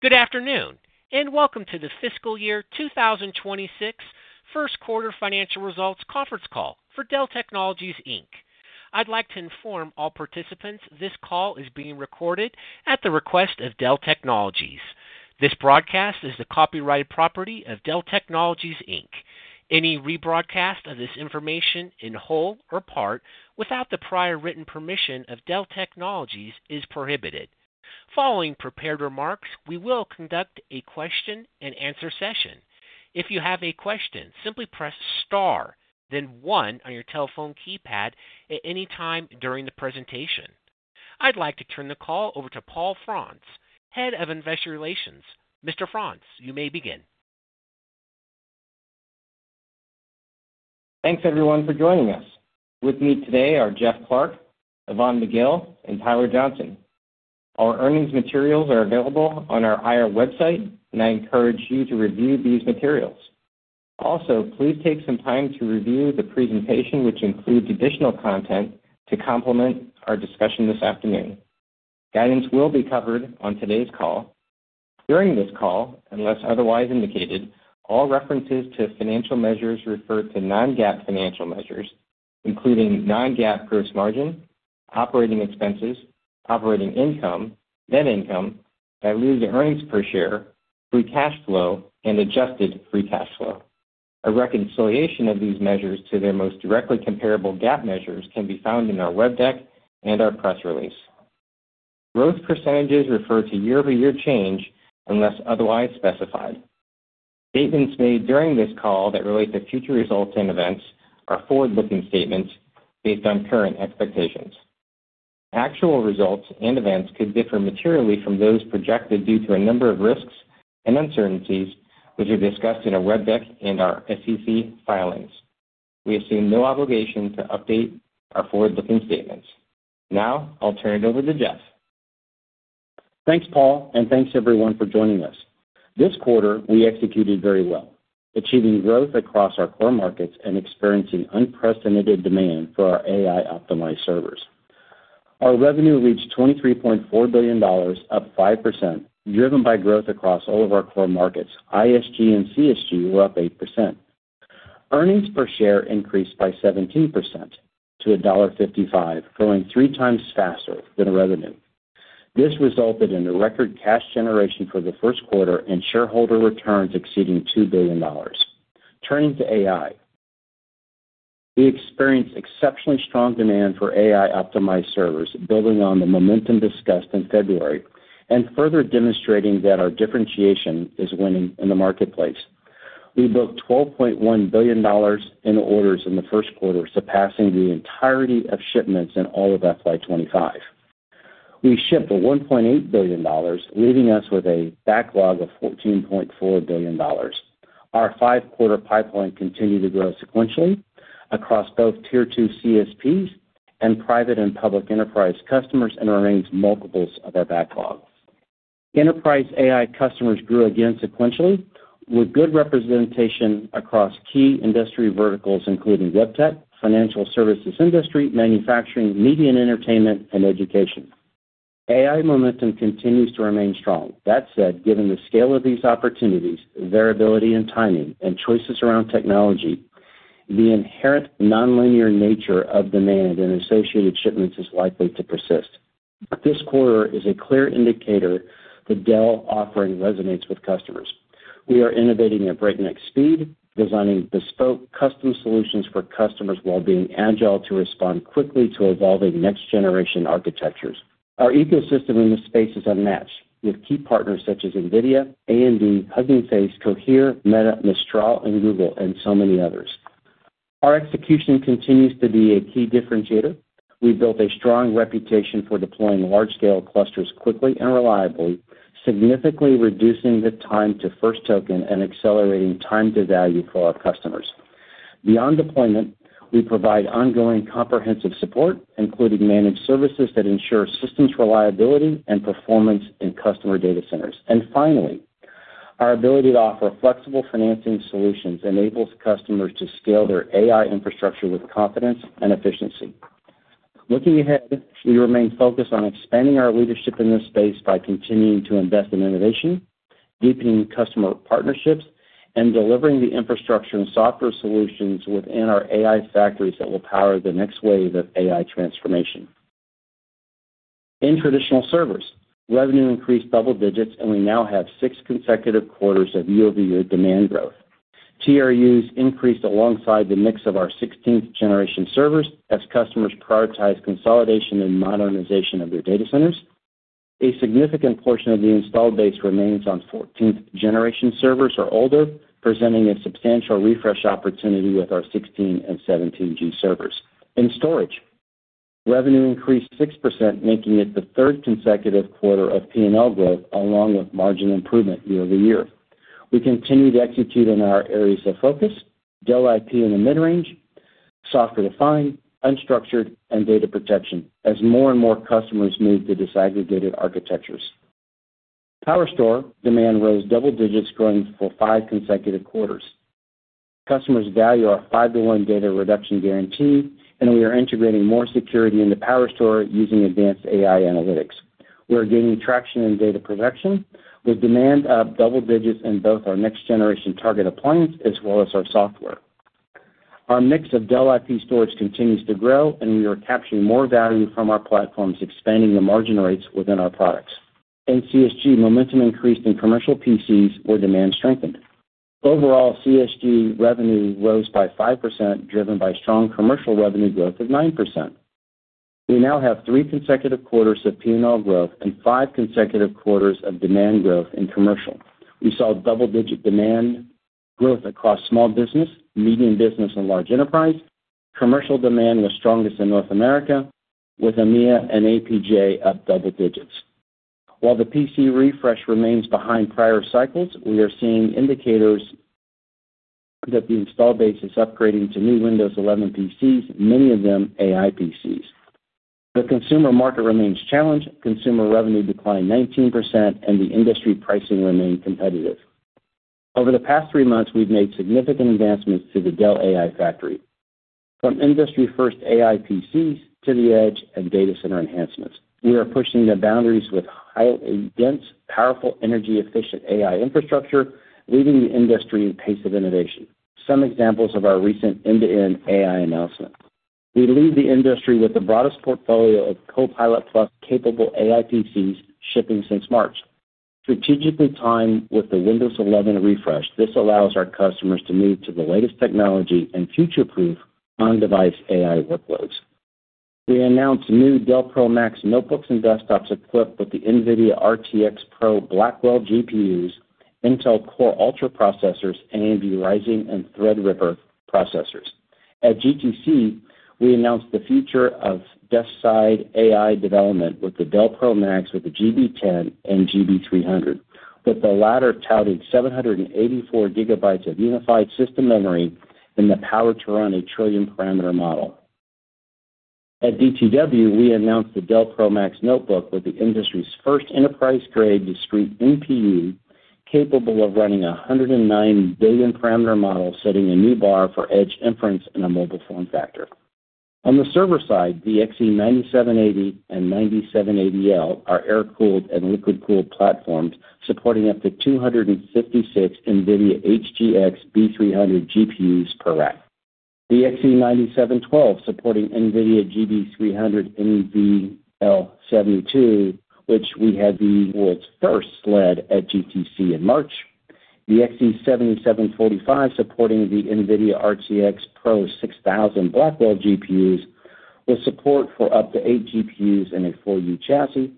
Good afternoon, and welcome to the Fiscal Year 2026 First Quarter Financial Results Conference Call for Dell Technologies. I'd like to inform all participants this call is being recorded at the request of Dell Technologies. This broadcast is the copyrighted property of Dell Technologies. Any rebroadcast of this information in whole or part without the prior written permission of Dell Technologies is prohibited. Following prepared remarks, we will conduct a question-and-answer session. If you have a question, simply press Star, then 1 on your telephone keypad at any time during the presentation. I'd like to turn the call over to Paul Frantz, Head of Investor Relations. Mr. Frantz, you may begin. Thanks, everyone, for joining us. With me today are Jeff Clarke, Yvonne McGill, and Tyler Johnson. Our earnings materials are available on our IR website, and I encourage you to review these materials. Also, please take some time to review the presentation, which includes additional content to complement our discussion this afternoon. Guidance will be covered on today's call. During this call, unless otherwise indicated, all references to financial measures refer to non-GAAP financial measures, including non-GAAP gross margin, operating expenses, operating income, net income, diluted earnings per share, free cash flow, and adjusted free cash flow. A reconciliation of these measures to their most directly comparable GAAP measures can be found in our web deck and our press release. Growth percentages refer to year-over-year change unless otherwise specified. Statements made during this call that relate to future results and events are forward-looking statements based on current expectations. Actual results and events could differ materially from those projected due to a number of risks and uncertainties, which are discussed in our web deck and our SEC filings. We assume no obligation to update our forward-looking statements. Now, I'll turn it over to Jeff. Thanks, Paul, and thanks, everyone, for joining us. This quarter, we executed very well, achieving growth across our core markets and experiencing unprecedented demand for our AI-optimized servers. Our revenue reached $23.4 billion, up 5%, driven by growth across all of our core markets. ISG and CSG were up 8%. Earnings per share increased by 17% to $1.55, growing three times faster than revenue. This resulted in a record cash generation for the first quarter and shareholder returns exceeding $2 billion. Turning to AI, we experienced exceptionally strong demand for AI-optimized servers, building on the momentum discussed in February and further demonstrating that our differentiation is winning in the marketplace. We booked $12.1 billion in orders in the first quarter, surpassing the entirety of shipments in all of FY2025. We shipped $1.8 billion, leaving us with a backlog of $14.4 billion. Our five-quarter pipeline continued to grow sequentially across both Tier 2 CSPs and private and public enterprise customers and remains multiples of our backlog. Enterprise AI customers grew again sequentially with good representation across key industry verticals, including web tech, financial services industry, manufacturing, media and entertainment, and education. AI momentum continues to remain strong. That said, given the scale of these opportunities, variability in timing, and choices around technology, the inherent non-linear nature of demand and associated shipments is likely to persist. This quarter is a clear indicator that Dell offering resonates with customers. We are innovating at breakneck speed, designing bespoke custom solutions for customers while being agile to respond quickly to evolving next-generation architectures. Our ecosystem in this space is unmatched, with key partners such as NVIDIA, AMD, Hugging Face, Cohere, Meta, Mistral, and Google, and so many others. Our execution continues to be a key differentiator. We built a strong reputation for deploying large-scale clusters quickly and reliably, significantly reducing the time-to-first token and accelerating time-to-value for our customers. Beyond deployment, we provide ongoing comprehensive support, including managed services that ensure systems reliability and performance in customer data centers. Finally, our ability to offer flexible financing solutions enables customers to scale their AI infrastructure with confidence and efficiency. Looking ahead, we remain focused on expanding our leadership in this space by continuing to invest in innovation, deepening customer partnerships, and delivering the infrastructure and software solutions within our AI factories that will power the next wave of AI transformation. In traditional servers, revenue increased double-digits, and we now have six consecutive quarters of year-over-year demand growth. TRUs increased alongside the mix of our 16th-generation servers as customers prioritize consolidation and modernization of their data centers. A significant portion of the installed base remains on 14th-generation servers or older, presenting a substantial refresh opportunity with our 16 and 17G servers. In storage, revenue increased 6%, making it the third consecutive quarter of P&L growth, along with margin improvement year-over-year. We continue to execute in our areas of focus: Dell IP in the mid-range, software-defined, unstructured, and data protection, as more and more customers move to disaggregated architectures. PowerStore demand rose double-digits, growing for five consecutive quarters. Customers value our five-to-one data reduction guarantee, and we are integrating more security into PowerStore using advanced AI analytics. We are gaining traction in data protection with demand up double-digits in both our next-generation target appliance as well as our software. Our mix of Dell IP storage continues to grow, and we are capturing more value from our platforms, expanding the margin rates within our products. In CSG, momentum increased in commercial PCs where demand strengthened. Overall, CSG revenue rose by 5%, driven by strong commercial revenue growth of 9%. We now have three consecutive quarters of P&L growth and five consecutive quarters of demand growth in commercial. We saw double-digit demand growth across small business, medium business, and large enterprise. Commercial demand was strongest in North America, with EMEA and APJ up double-digits. While the PC refresh remains behind prior cycles, we are seeing indicators that the installed base is upgrading to new Windows 11 PCs, many of them AI PCs. The consumer market remains challenged. Consumer revenue declined 19%, and the industry pricing remained competitive. Over the past three months, we've made significant advancements to the Dell AI factory, from industry-first AI PCs to the edge and data center enhancements. We are pushing the boundaries with highly dense, powerful, energy-efficient AI infrastructure, leading the industry in pace of innovation. Some examples of our recent end-to-end AI announcement: we lead the industry with the broadest portfolio of Copilot+ capable AI PCs shipping since March, strategically timed with the Windows 11 refresh. This allows our customers to move to the latest technology and future-proof on-device AI workloads. We announced new Dell Pro Max notebooks and desktops equipped with the NVIDIA RTX Pro Blackwell GPUs, Intel Core Ultra processors, AMD Ryzen, and Threadripper processors. At GTC, we announced the future of desk-side AI development with the Dell Pro Max with the GB10 and GB300, with the latter touting 784GB of unified system memory and the power to run a trillion-parameter model. At DTW, we announced the Dell Pro Max notebook with the industry's first enterprise-grade discrete NPU, capable of running a 109 billion-parameter model, setting a new bar for edge inference and a mobile form factor. On the server side, the XE9780 and XE9780L are air-cooled and liquid-cooled platforms, supporting up to 256 NVIDIA HGX B300 GPUs per rack. The XE9712, supporting NVIDIA GB300 NVL72, which we had the world's first SLED at GTC in March. The XE7745, supporting the NVIDIA RTX Pro 6000 Blackwell GPUs, with support for up to eight GPUs and a 4U chassis.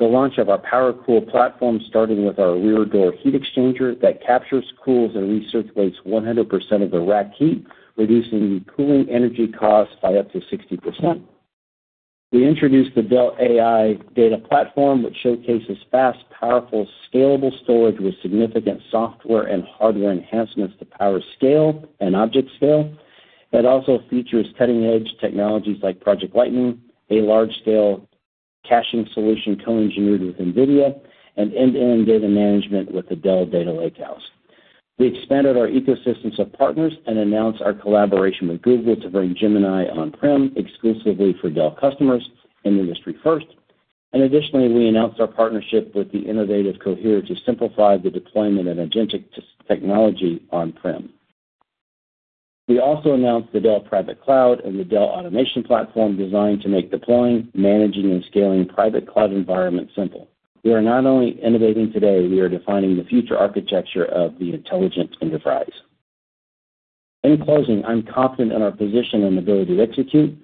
The launch of our power-cooled platform, starting with our rear-door heat exchanger that captures, cools, and recirculates 100% of the rack heat, reducing the cooling energy cost by up to 60%. We introduced the Dell AI Data Platform, which showcases fast, powerful, scalable storage with significant software and hardware enhancements to PowerScale and ObjectScale. It also features cutting-edge technologies like Project Lightning, a large-scale caching solution co-engineered with NVIDIA, and end-to-end data management with the Dell Data Lakehouse. We expanded our ecosystems of partners and announced our collaboration with Google to bring Gemini on-prem exclusively for Dell customers, an industry-first. Additionally, we announced our partnership with the innovative Cohere to simplify the deployment of agentic technology on-prem. We also announced the Dell Private Cloud and the Dell Automation Platform, designed to make deploying, managing, and scaling private cloud environments simple. We are not only innovating today; we are defining the future architecture of the intelligent enterprise. In closing, I'm confident in our position and ability to execute.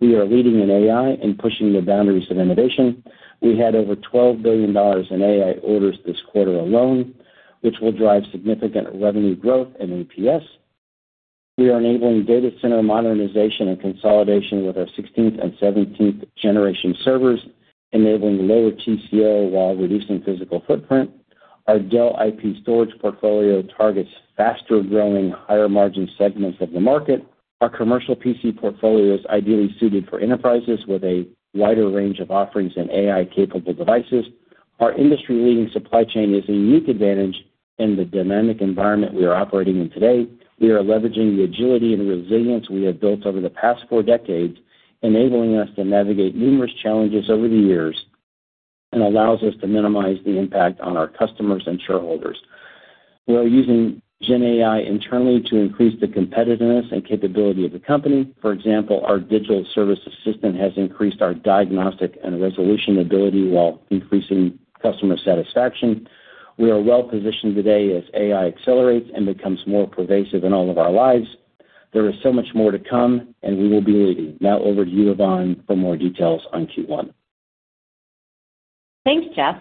We are leading in AI and pushing the boundaries of innovation. We had over $12 billion in AI orders this quarter alone, which will drive significant revenue growth and EPS. We are enabling data center modernization and consolidation with our 16th- and 17th-generation servers, enabling lower TCO while reducing physical footprint. Our Dell IP storage portfolio targets faster-growing, higher-margin segments of the market. Our commercial PC portfolio is ideally suited for enterprises with a wider range of offerings and AI-capable devices. Our industry-leading supply chain is a unique advantage in the dynamic environment we are operating in today. We are leveraging the agility and resilience we have built over the past four decades, enabling us to navigate numerous challenges over the years and allows us to minimize the impact on our customers and shareholders. We are using GenAI internally to increase the competitiveness and capability of the company. For example, our digital service assistant has increased our diagnostic and resolution ability while increasing customer satisfaction. We are well-positioned today as AI accelerates and becomes more pervasive in all of our lives. There is so much more to come, and we will be leading. Now, over to you, Yvonne, for more details on Q1. Thanks, Jeff.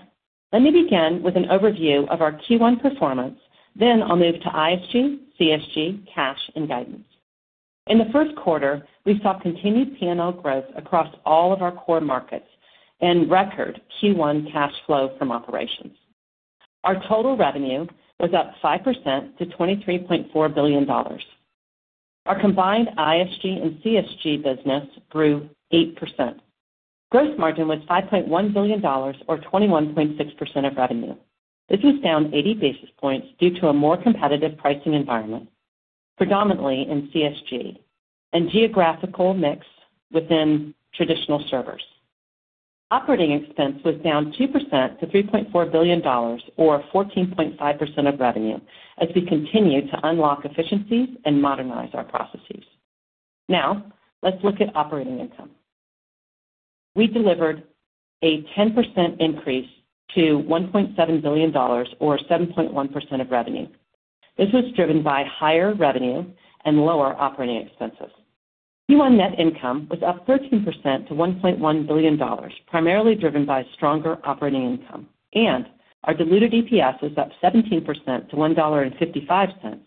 Let me begin with an overview of our Q1 performance. Then I'll move to ISG, CSG, cash, and guidance. In the first quarter, we saw continued P&L growth across all of our core markets and record Q1 cash flow from operations. Our total revenue was up 5% to $23.4 billion. Our combined ISG and CSG business grew 8%. Gross margin was $5.1 billion, or 21.6% of revenue. This was down 80 basis points due to a more competitive pricing environment, predominantly in CSG and geographical mix within traditional servers. Operating expense was down 2% to $3.4 billion, or 14.5% of revenue, as we continue to unlock efficiencies and modernize our processes. Now, let's look at operating income. We delivered a 10% increase to $1.7 billion, or 7.1% of revenue. This was driven by higher revenue and lower operating expenses. Q1 net income was up 13% to $1.1 billion, primarily driven by stronger operating income. Our diluted EPS was up 17% to $1.55,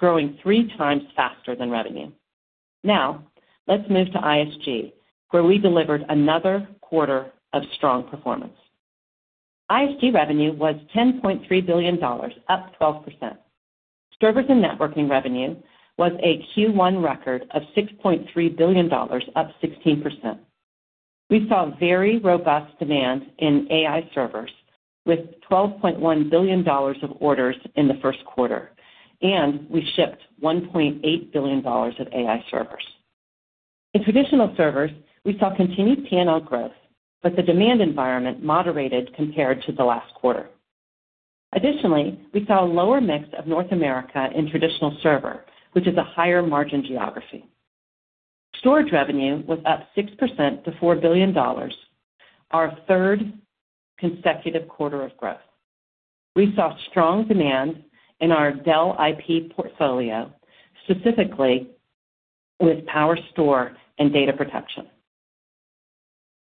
growing three times faster than revenue. Now, let's move to ISG, where we delivered another quarter of strong performance. ISG revenue was $10.3 billion, up 12%. Servers and networking revenue was a Q1 record of $6.3 billion, up 16%. We saw very robust demand in AI servers with $12.1 billion of orders in the first quarter, and we shipped $1.8 billion of AI servers. In traditional servers, we saw continued P&L growth, but the demand environment moderated compared to the last quarter. Additionally, we saw a lower mix of North America in traditional server, which is a higher-margin geography. Storage revenue was up 6% to $4 billion, our third consecutive quarter of growth. We saw strong demand in our Dell IP portfolio, specifically with PowerStore and data protection.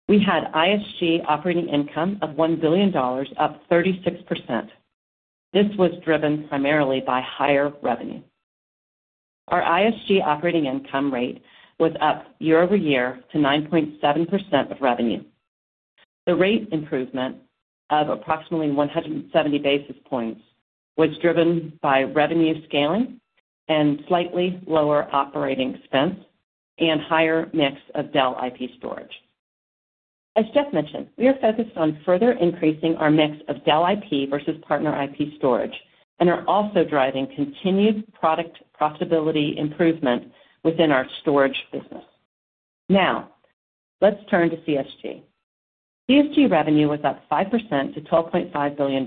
We had ISG operating income of $1 billion, up 36%. This was driven primarily by higher revenue. Our ISG operating income rate was up year-over-year to 9.7% of revenue. The rate improvement of approximately 170 basis points was driven by revenue scaling and slightly lower operating expense and higher mix of Dell IP storage. As Jeff mentioned, we are focused on further increasing our mix of Dell IP versus partner IP storage and are also driving continued product profitability improvement within our storage business. Now, let's turn to CSG. CSG revenue was up 5% to $12.5 billion.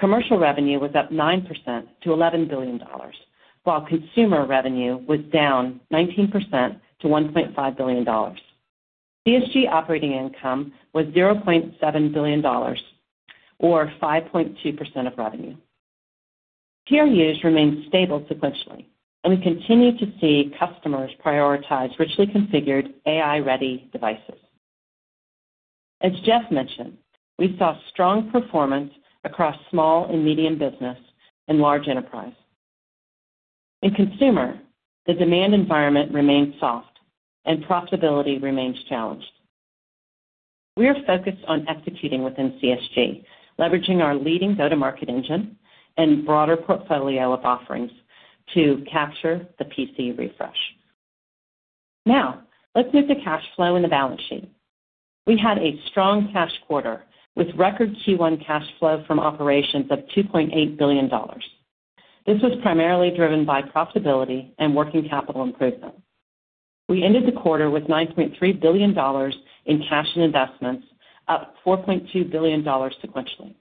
Commercial revenue was up 9% to $11 billion, while consumer revenue was down 19% to $1.5 billion. CSG operating income was $0.7 billion, or 5.2% of revenue. TRUs remained stable sequentially, and we continue to see customers prioritize richly configured AI-ready devices. As Jeff mentioned, we saw strong performance across small and medium business and large enterprise. In consumer, the demand environment remained soft, and profitability remains challenged. We are focused on executing within CSG, leveraging our leading go-to-market engine and broader portfolio of offerings to capture the PC refresh. Now, let's move to cash flow and the balance sheet. We had a strong cash quarter with record Q1 cash flow from operations of $2.8 billion. This was primarily driven by profitability and working capital improvement. We ended the quarter with $9.3 billion in cash and investments, up $4.2 billion sequentially.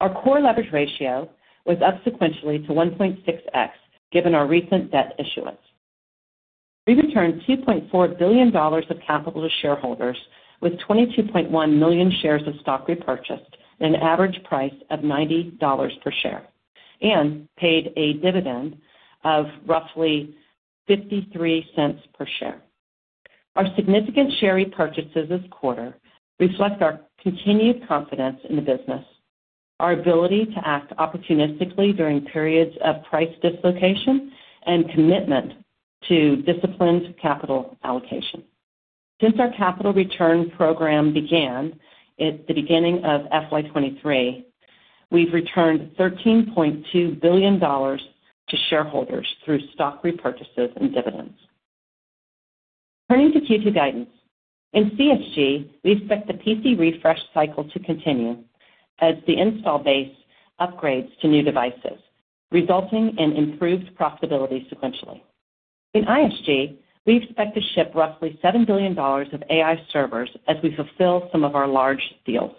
Our core leverage ratio was up sequentially to 1.6x, given our recent debt issuance. We returned $2.4 billion of capital to shareholders with 22.1 million shares of stock repurchased at an average price of $90 per share and paid a dividend of roughly $0.53 per share. Our significant share repurchases this quarter reflect our continued confidence in the business, our ability to act opportunistically during periods of price dislocation, and commitment to disciplined capital allocation. Since our capital return program began at the beginning of 2023, we've returned $13.2 billion to shareholders through stock repurchases and dividends. Turning to Q2 guidance. In CSG, we expect the PC refresh cycle to continue as the install base upgrades to new devices, resulting in improved profitability sequentially. In ISG, we expect to ship roughly $7 billion of AI servers as we fulfill some of our large deals.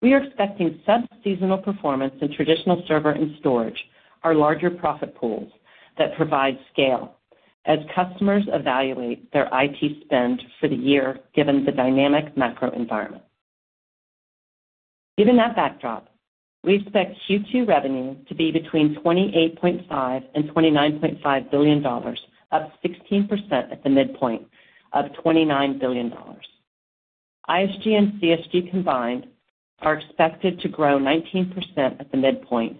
We are expecting sub-seasonal performance in traditional server and storage, our larger profit pools that provide scale as customers evaluate their IT spend for the year, given the dynamic macro environment. Given that backdrop, we expect Q2 revenue to be between $28.5 billion and $29.5 billion, up 16% at the midpoint of $29 billion. ISG and CSG combined are expected to grow 19% at the midpoint,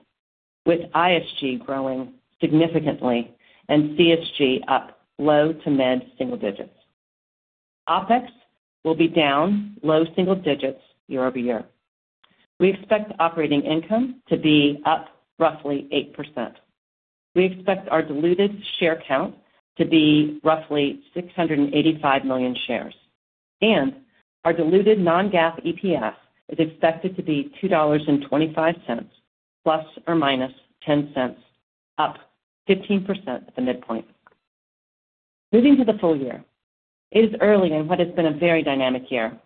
with ISG growing significantly and CSG up low to mid single digits. OpEx will be down low single digits year-over-year. We expect operating income to be up roughly 8%. We expect our diluted share count to be roughly 685 million shares. Our diluted non-GAAP EPS is expected to be $2.25+ or -$0.10, up 15% at the midpoint. Moving to the full year. It is early in what has been a very dynamic year.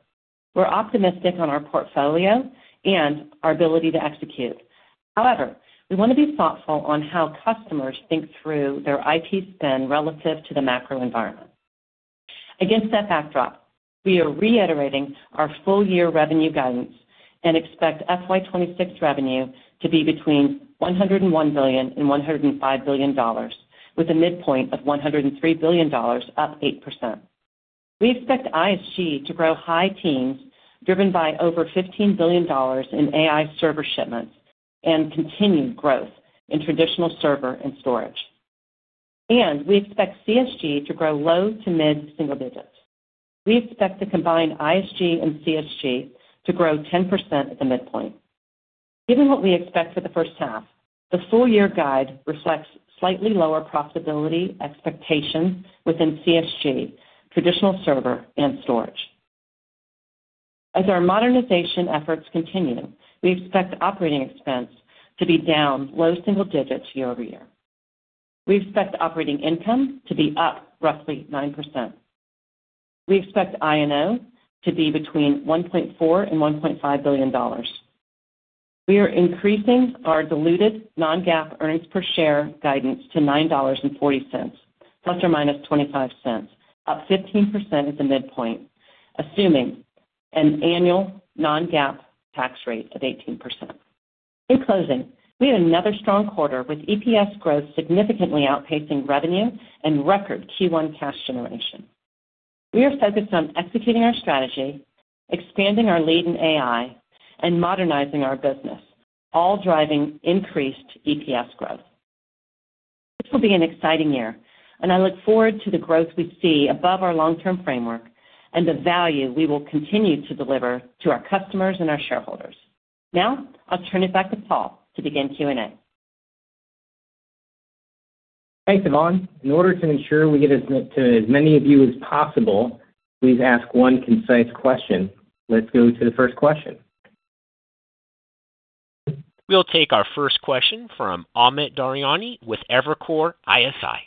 We're optimistic on our portfolio and our ability to execute. However, we want to be thoughtful on how customers think through their IT spend relative to the macro environment. Against that backdrop, we are reiterating our full-year revenue guidance and expect FY26 revenue to be between $101 billion and $105 billion, with a midpoint of $103 billion, up 8%. We expect ISG to grow high teens, driven by over $15 billion in AI server shipments and continued growth in traditional server and storage. We expect CSG to grow low to mid single digits. We expect the combined ISG and CSG to grow 10% at the midpoint. Given what we expect for the first half, the full-year guide reflects slightly lower profitability expectations within CSG, traditional server, and storage. As our modernization efforts continue, we expect operating expense to be down low single digits year-over-year. We expect operating income to be up roughly 9%. We expect I&O to be between $1.4 billion-$1.5 billion. We are increasing our diluted non-GAAP earnings per share guidance to $9.40+ or - $0.25, up 15% at the midpoint, assuming an annual non-GAAP tax rate of 18%. In closing, we have another strong quarter with EPS growth significantly outpacing revenue and record Q1 cash generation. We are focused on executing our strategy, expanding our lead in AI, and modernizing our business, all driving increased EPS growth. This will be an exciting year, and I look forward to the growth we see above our long-term framework and the value we will continue to deliver to our customers and our shareholders. Now, I'll turn it back to Paul to begin Q&A. Thanks, Yvonne. In order to ensure we get as many of you as possible, please ask one concise question. Let's go to the first question. We'll take our first question from Amit Daryanani with Evercore ISI.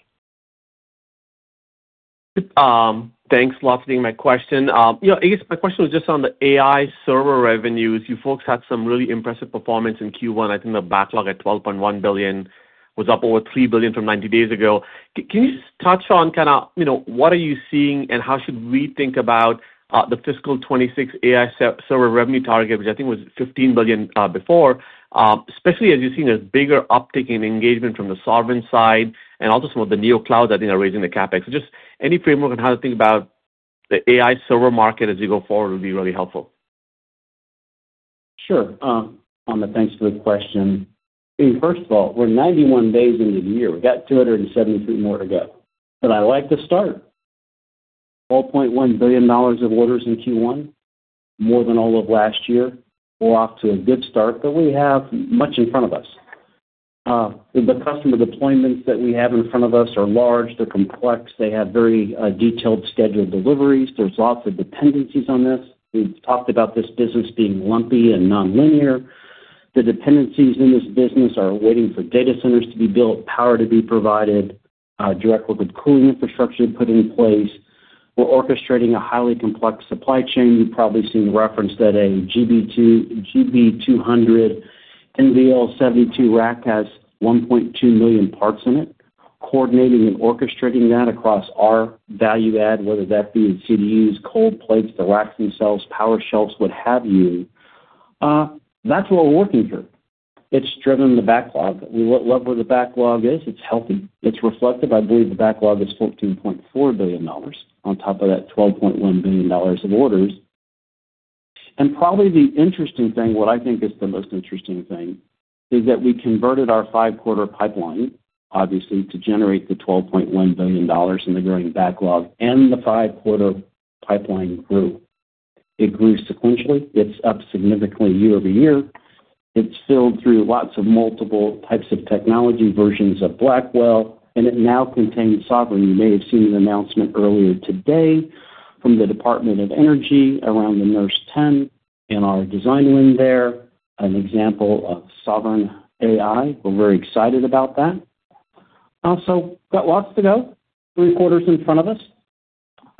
Thanks a lot for taking my question. I guess my question was just on the AI server revenues. You folks had some really impressive performance in Q1. I think the backlog at $12.1 billion was up over $3 billion from 90 days ago. Can you just touch on kind of what are you seeing and how should we think about the fiscal 2026 AI server revenue target, which I think was $15 billion before, especially as you're seeing a bigger uptick in engagement from the sovereign side and also some of the new clouds I think are raising the CapEx? Just any framework on how to think about the AI server market as we go forward would be really helpful. Sure. Amit, thanks for the question. First of all, we're 91 days into the year. We've got 273 more to go. I like the start. $12.1 billion of orders in Q1, more than all of last year. We're off to a good start, but we have much in front of us. The customer deployments that we have in front of us are large. They're complex. They have very detailed scheduled deliveries. There's lots of dependencies on this. We've talked about this business being lumpy and non-linear. The dependencies in this business are waiting for data centers to be built, power to be provided, direct work of cooling infrastructure to be put in place. We're orchestrating a highly complex supply chain. You've probably seen the reference that a GB200 NVL72 rack has 1.2 million parts in it. Coordinating and orchestrating that across our value add, whether that be CDUs, cold plates, the racks themselves, power shelves, what have you, that's what we're working through. It's driven the backlog. We love where the backlog is. It's healthy. It's reflective. I believe the backlog is $14.4 billion on top of that $12.1 billion of orders. And probably the interesting thing, what I think is the most interesting thing, is that we converted our five-quarter pipeline, obviously, to generate the $12.1 billion in the growing backlog, and the five-quarter pipeline grew. It grew sequentially. It's up significantly year-over-year. It's filled through lots of multiple types of technology versions of Blackwell, and it now contains sovereign. You may have seen an announcement earlier today from the Department of Energy around the NERSC 10 in our design win there, an example of sovereign AI. We're very excited about that. Also, we've got lots to go, three quarters in front of us.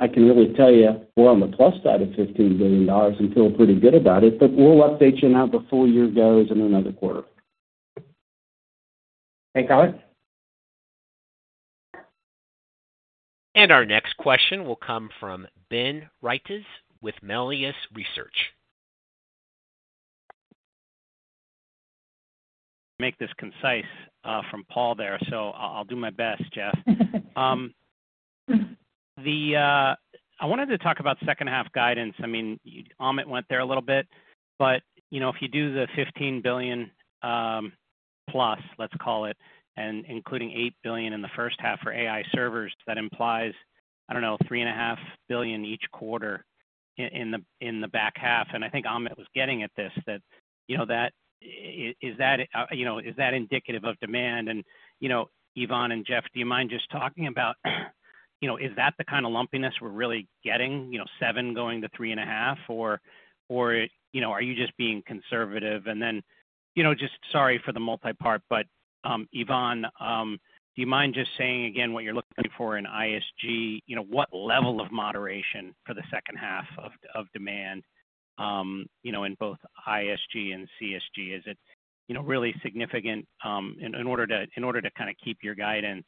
I can really tell you we're on the plus side of $15 billion and feel pretty good about it, but we'll update you on how the full year goes in another quarter. Thanks, Amit. Our next question will come from Ben Reitzes with Melius Research. Make this concise from Paul there, so I'll do my best, Jeff. I wanted to talk about second-half guidance. I mean, Amit went there a little bit, but if you do the $15 billion +, let's call it, and including $8 billion in the first half for AI servers, that implies, I do not know, $3.5 billion each quarter in the back half. I think Amit was getting at this, that is that indicative of demand? Yvonne and Jeff, do you mind just talking about, is that the kind of lumpiness we're really getting, seven going to three and a half, or are you just being conservative? Sorry for the multi-part, but Yvonne, do you mind just saying again what you're looking for in ISG? What level of moderation for the second half of demand in both ISG and CSG? Is it really significant? In order to kind of keep your guidance,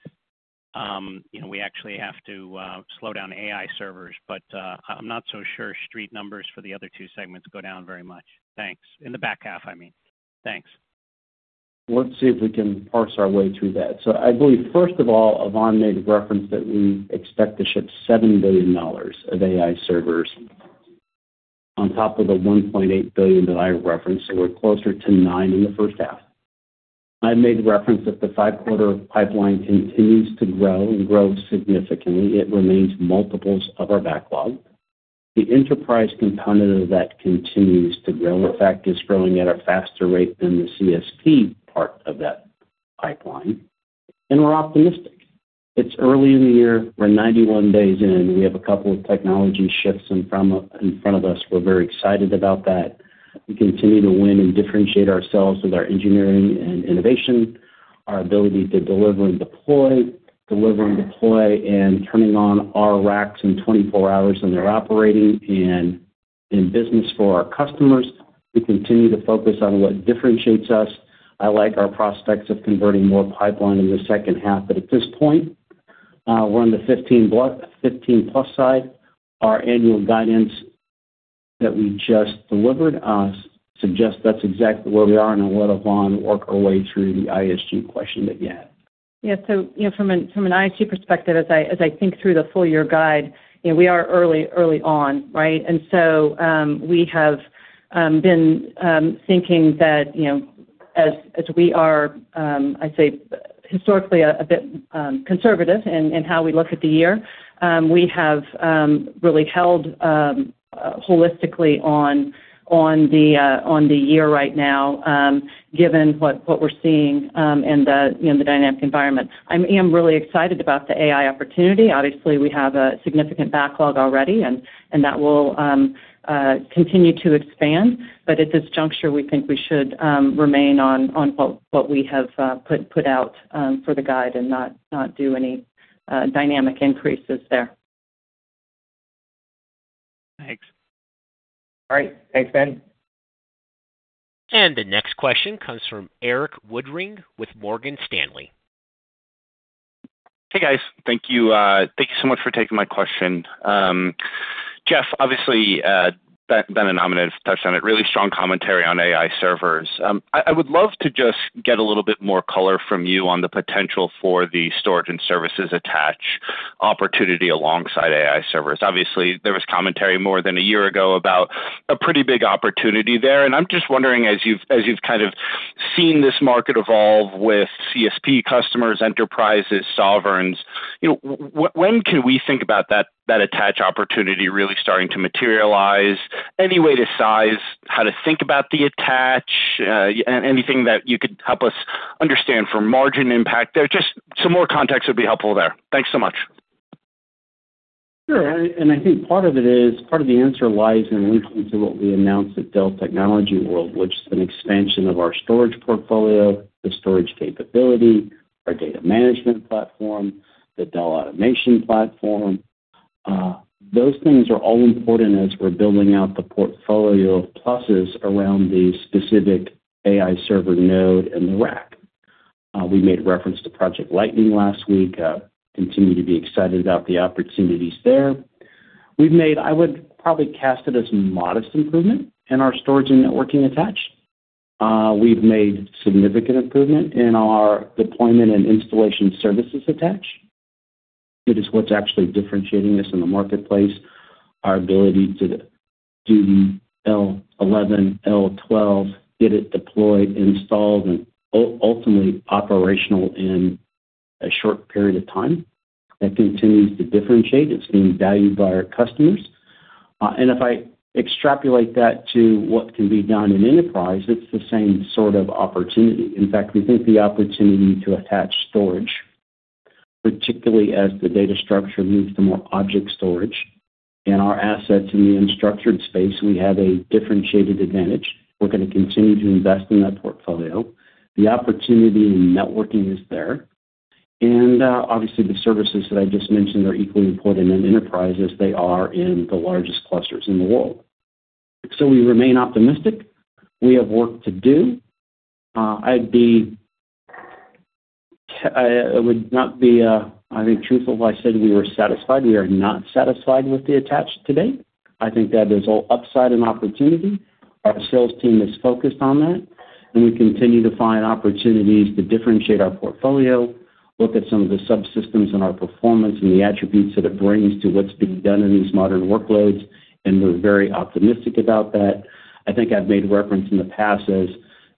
we actually have to slow down AI servers, but I'm not so sure street numbers for the other two segments go down very much. Thanks. In the back half, I mean. Thanks. Let's see if we can parse our way through that. I believe, first of all, Yvonne made a reference that we expect to ship $7 billion of AI servers on top of the $1.8 billion that I referenced, so we're closer to $9 billion in the first half. I made the reference that the five-quarter pipeline continues to grow and grow significantly. It remains multiples of our backlog. The enterprise component of that continues to grow. In fact, it's growing at a faster rate than the CSP part of that pipeline. We're optimistic. It's early in the year. We're 91 days in. We have a couple of technology shifts in front of us. We're very excited about that. We continue to win and differentiate ourselves with our engineering and innovation, our ability to deliver and deploy, and turning on our racks in 24 hours when they're operating and in business for our customers. We continue to focus on what differentiates us. I like our prospects of converting more pipeline in the second half, but at this point, we're on the 15+ side. Our annual guidance that we just delivered suggests that's exactly where we are and I'll let Yvonne work her way through the ISG question that you had. Yeah. From an ISG perspective, as I think through the full-year guide, we are early on, right? We have been thinking that as we are, I'd say, historically a bit conservative in how we look at the year, we have really held holistically on the year right now, given what we're seeing in the dynamic environment. I am really excited about the AI opportunity. Obviously, we have a significant backlog already, and that will continue to expand. At this juncture, we think we should remain on what we have put out for the guide and not do any dynamic increases there. Thanks. All right. Thanks, Ben. The next question comes from Erik Woodring with Morgan Stanley. Hey, guys. Thank you so much for taking my question. Jeff, obviously, Ben and Amit have touched on it. Really strong commentary on AI servers. I would love to just get a little bit more color from you on the potential for the storage and services attach opportunity alongside AI servers. Obviously, there was commentary more than a year ago about a pretty big opportunity there. I'm just wondering, as you've kind of seen this market evolve with CSP customers, enterprises, sovereigns, when can we think about that attach opportunity really starting to materialize? Any way to size how to think about the attach? Anything that you could help us understand for margin impact? Just some more context would be helpful there. Thanks so much. Sure. I think part of it is part of the answer lies in linking to what we announced at Dell Technologies World, which is an expansion of our storage portfolio, the storage capability, our data management platform, the Dell Automation Platform. Those things are all important as we're building out the portfolio of pluses around the specific AI server node and the rack. We made reference to Project Lightning last week. Continue to be excited about the opportunities there. I would probably cast it as modest improvement in our storage and networking attach. We've made significant improvement in our deployment and installation services attach. It is what's actually differentiating us in the marketplace. Our ability to do the L11, L12, get it deployed, installed, and ultimately operational in a short period of time. That continues to differentiate. It's being valued by our customers. If I extrapolate that to what can be done in enterprise, it is the same sort of opportunity. In fact, we think the opportunity to attach storage, particularly as the data structure moves to more object storage and our assets in the unstructured space, we have a differentiated advantage. We are going to continue to invest in that portfolio. The opportunity in networking is there. Obviously, the services that I just mentioned are equally important in enterprise as they are in the largest clusters in the world. We remain optimistic. We have work to do. I would not be, I think, truthful if I said we were satisfied. We are not satisfied with the attach today. I think that is all upside and opportunity. Our sales team is focused on that. We continue to find opportunities to differentiate our portfolio, look at some of the subsystems and our performance and the attributes that it brings to what's being done in these modern workloads. We are very optimistic about that. I think I've made reference in the past as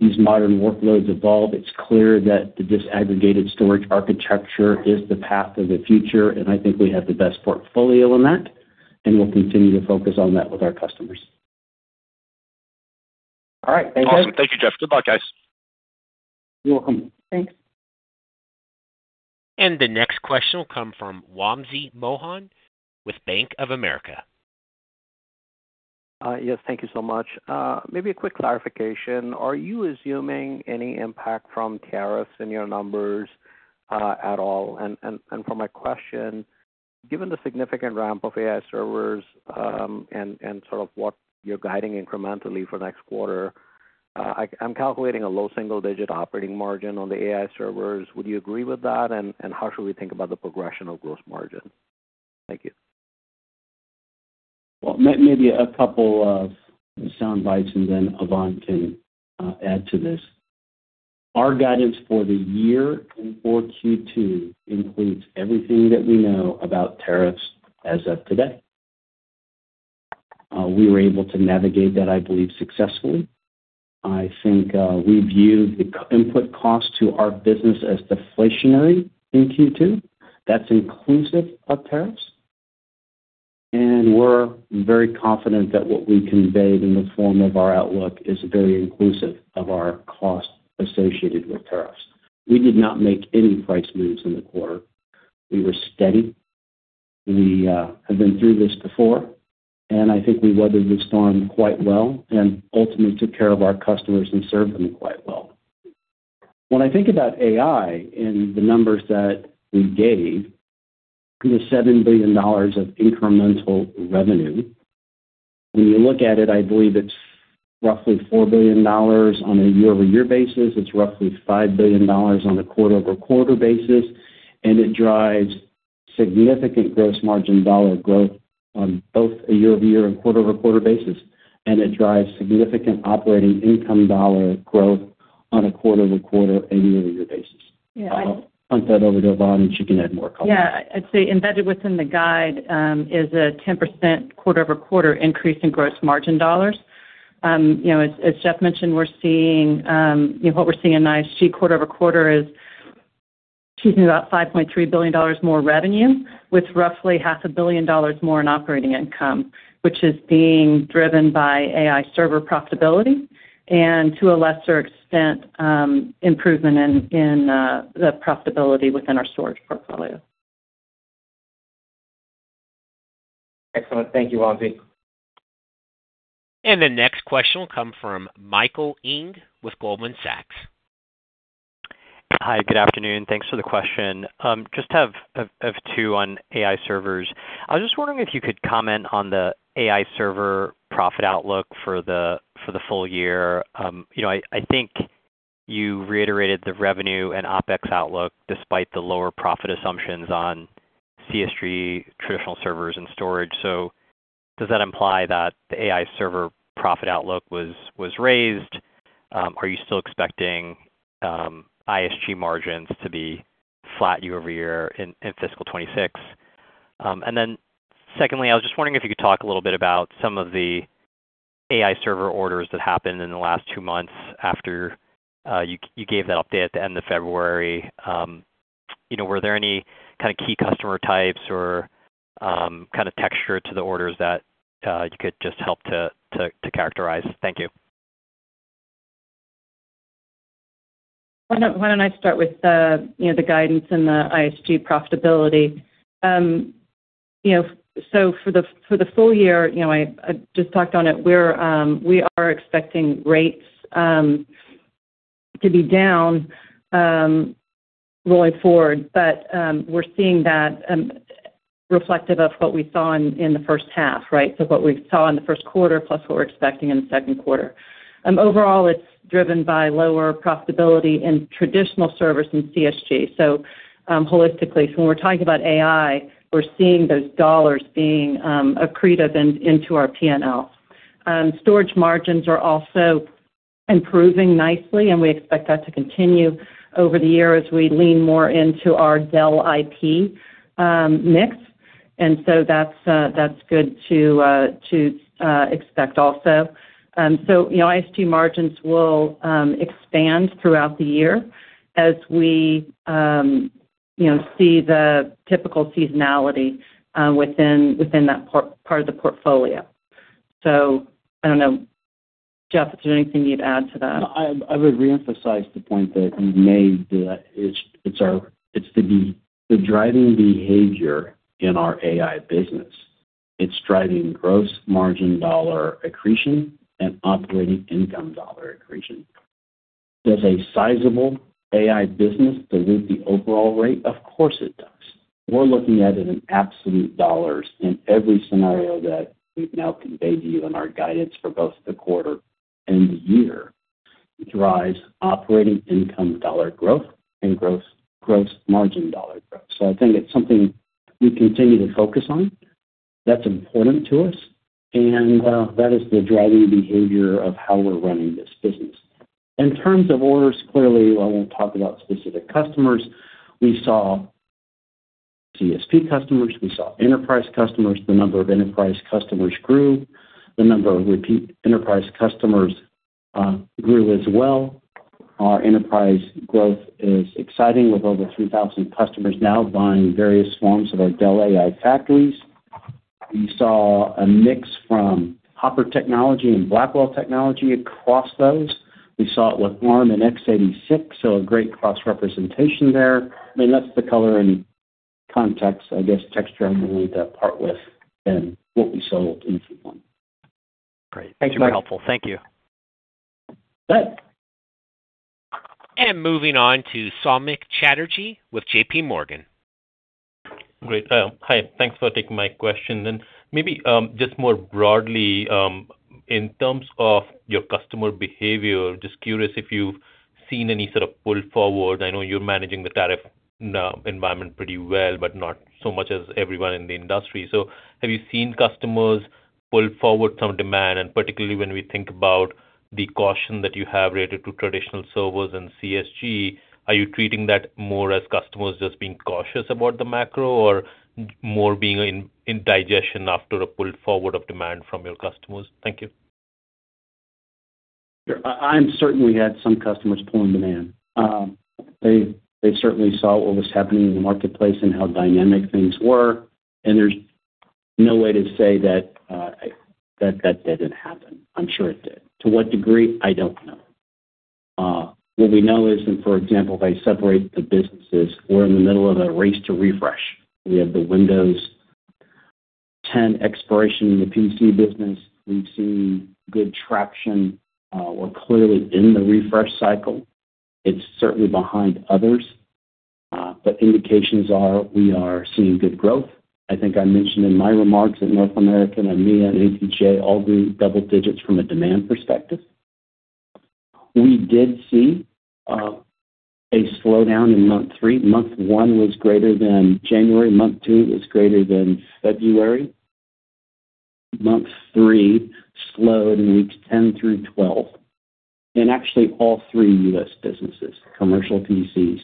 these modern workloads evolve. It's clear that the disaggregated storage architecture is the path of the future, and I think we have the best portfolio in that. We will continue to focus on that with our customers. All right. Thank you. Awesome. Thank you, Jeff. Good luck, guys. You're welcome. Thanks. The next question will come from Wamsi Mohan with Bank of America. Yes. Thank you so much. Maybe a quick clarification. Are you assuming any impact from tariffs in your numbers at all? For my question, given the significant ramp of AI servers and sort of what you're guiding incrementally for next quarter, I'm calculating a low single-digit operating margin on the AI servers. Would you agree with that? How should we think about the progression of gross margin? Thank you. Maybe a couple of sound bites, and then Yvonne can add to this. Our guidance for the year in Q2 includes everything that we know about tariffs as of today. We were able to navigate that, I believe, successfully. I think we view the input cost to our business as deflationary in Q2. That is inclusive of tariffs. We are very confident that what we conveyed in the form of our outlook is very inclusive of our cost associated with tariffs. We did not make any price moves in the quarter. We were steady. We have been through this before. I think we weathered the storm quite well and ultimately took care of our customers and served them quite well. When I think about AI and the numbers that we gave, the $7 billion of incremental revenue, when you look at it, I believe it's roughly $4 billion on a year-over-year basis. It's roughly $5 billion on a quarter-over-quarter basis. It drives significant gross margin dollar growth on both a year-over-year and quarter-over-quarter basis. It drives significant operating income dollar growth on a quarter-over-quarter and year-over-year basis. Yeah. I'll. I'll punt that over to Yvonne, and she can add more. Yeah. I'd say embedded within the guide is a 10% quarter-over-quarter increase in gross margin dollars. As Jeff mentioned, what we're seeing in ISG quarter-over-quarter is about $5.3 billion more revenue with roughly $500 million more in operating income, which is being driven by AI server profitability and to a lesser extent improvement in the profitability within our storage portfolio. Excellent. Thank you, Wamsi. The next question will come from Michael Ng with Goldman Sachs. Hi. Good afternoon. Thanks for the question. Just have two on AI servers. I was just wondering if you could comment on the AI server profit outlook for the full year. I think you reiterated the revenue and OpEx outlook despite the lower profit assumptions on CSG traditional servers and storage. Does that imply that the AI server profit outlook was raised? Are you still expecting ISG margins to be flat year-over-year in fiscal 2026? Secondly, I was just wondering if you could talk a little bit about some of the AI server orders that happened in the last two months after you gave that update at the end of February. Were there any kind of key customer types or kind of texture to the orders that you could just help to characterize? Thank you. Why do not I start with the guidance and the ISG profitability? For the full year, I just talked on it. We are expecting rates to be down going forward, but we are seeing that reflective of what we saw in the first half, right? What we saw in the first quarter plus what we are expecting in the second quarter. Overall, it is driven by lower profitability in traditional servers and CSG. Holistically, when we are talking about AI, we are seeing those dollars being accretive into our P&L. Storage margins are also improving nicely, and we expect that to continue over the year as we lean more into our Dell IP mix. That is good to expect also. ISG margins will expand throughout the year as we see the typical seasonality within that part of the portfolio. I do not know, Jeff, if there is anything you would add to that. I would reemphasize the point that you made. It's the driving behavior in our AI business. It's driving gross margin dollar accretion and operating income dollar accretion. Does a sizable AI business dilute the overall rate? Of course it does. We're looking at it in absolute dollars in every scenario that we've now conveyed to you in our guidance for both the quarter and the year. It drives operating income dollar growth and gross margin dollar growth. I think it's something we continue to focus on. That's important to us. That is the driving behavior of how we're running this business. In terms of orders, clearly, I won't talk about specific customers. We saw CSP customers. We saw enterprise customers. The number of enterprise customers grew. The number of repeat enterprise customers grew as well. Our enterprise growth is exciting with over 3,000 customers now buying various forms of our Dell AI factories. We saw a mix from Hopper Technology and Blackwell Technology across those. We saw it with Arm and x86, so a great cross-representation there. I mean, that's the color and context, I guess, texture I'm willing to part with than what we sold in Q1. Great. Thank you for helpful. Thank you. Good. Moving on to Samik Chatterjee with JP Morgan. Great. Hi. Thanks for taking my question. Maybe just more broadly, in terms of your customer behavior, just curious if you've seen any sort of pull forward. I know you're managing the tariff environment pretty well, but not so much as everyone in the industry. Have you seen customers pull forward some demand? Particularly when we think about the caution that you have related to traditional servers and CSG, are you treating that more as customers just being cautious about the macro or more being in digestion after a pull forward of demand from your customers? Thank you. I'm certain we had some customers pull in demand. They certainly saw what was happening in the marketplace and how dynamic things were. There's no way to say that that didn't happen. I'm sure it did. To what degree? I don't know. What we know is, for example, if I separate the businesses, we're in the middle of a race to refresh. We have the Windows 10 expiration in the PC business. We've seen good traction or clearly in the refresh cycle. It's certainly behind others. Indications are we are seeing good growth. I think I mentioned in my remarks that North America and EMEA and APJ all grew double-digits from a demand perspective. We did see a slowdown in month three. Month one was greater than January. Month two was greater than February. Month three slowed in weeks 10-12. All three U.S. businesses, commercial PCs,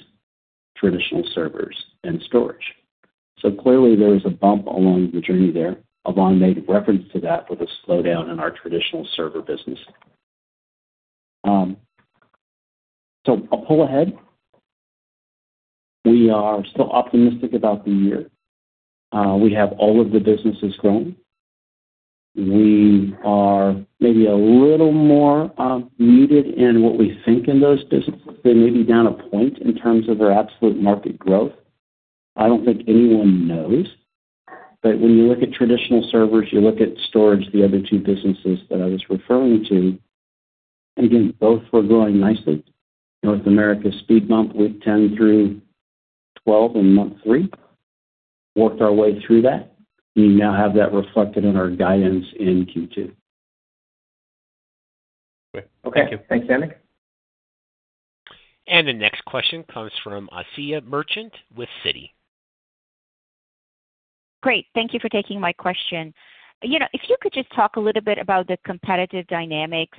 traditional servers, and storage. Clearly, there was a bump along the journey there. Yvonne made reference to that with a slowdown in our traditional server business. I'll pull ahead. We are still optimistic about the year. We have all of the businesses growing. We are maybe a little more muted in what we think in those businesses. They may be down a point in terms of their absolute market growth. I do not think anyone knows. When you look at traditional servers, you look at storage, the other two businesses that I was referring to, again, both were growing nicely. North America speed bump week 10-12 in month three. Worked our way through that. We now have that reflected in our guidance in Q2. Great. Thank you. Okay. Thanks, Danny. The next question comes from Asiya Merchant with Citi. Great. Thank you for taking my question. If you could just talk a little bit about the competitive dynamics,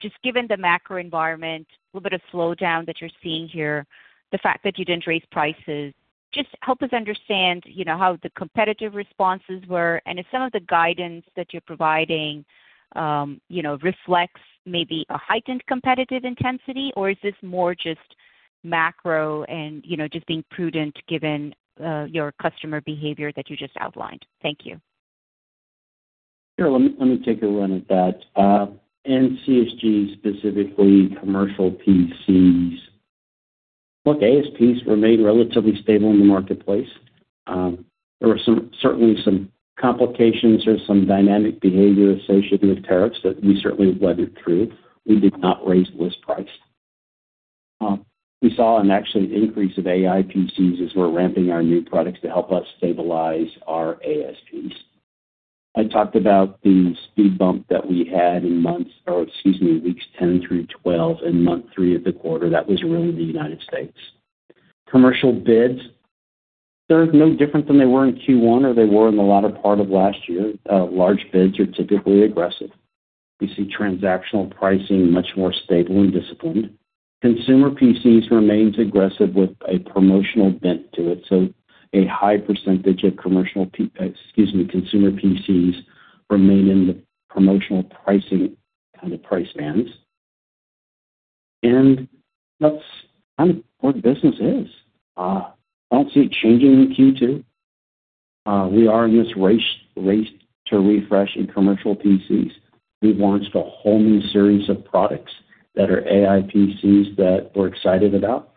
just given the macro environment, a little bit of slowdown that you're seeing here, the fact that you didn't raise prices, just help us understand how the competitive responses were. If some of the guidance that you're providing reflects maybe a heightened competitive intensity, or is this more just macro and just being prudent given your customer behavior that you just outlined? Thank you. Sure. Let me take a run at that. In CSG specifically, commercial PCs. Look, ASPs remained relatively stable in the marketplace. There were certainly some complications or some dynamic behavior associated with tariffs that we certainly weathered through. We did not raise list price. We saw an actual increase of AI PCs as we're ramping our new products to help us stabilize our ASPs. I talked about the speed bump that we had in weeks 10 through 12 in month three of the quarter. That was really the United States. Commercial bids, they're no different than they were in Q1 or they were in the latter part of last year. Large bids are typically aggressive. We see transactional pricing much more stable and disciplined. Consumer PCs remained aggressive with a promotional bent to it. A high percentage of commercial, excuse me, consumer PCs remain in the promotional pricing kind of price bands. That is kind of where the business is. I do not see it changing in Q2. We are in this race to refresh in commercial PCs. We have launched a whole new series of products that are AI PCs that we are excited about.